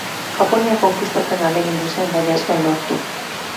Japonia konkistatzen ahalegindu zen baina ez zuen lortu.